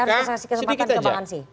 saya harus kasih kesempatan kebahan sih